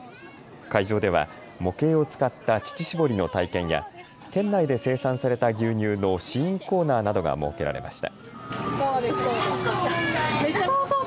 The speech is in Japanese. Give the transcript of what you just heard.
会場では模型を使った乳搾りの体験や県内で生産された牛乳の試飲コーナーなどが設けられました。